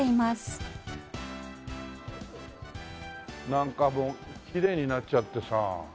なんかもうきれいになっちゃってさ。